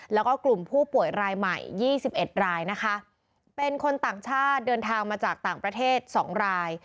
แล้วก็กลุ่มผู้ป่วยรายใหม่๒๑รายนะคะเป็นคนต่างชาติเดินทางมาจากต่างประเทศ๒ราย